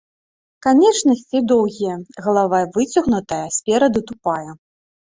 Канечнасці доўгія, галава выцягнутая, спераду тупая.